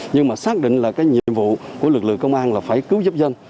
nhưng mà xác định là cái nhiệm vụ của lực lượng công an là phải cứu giúp dân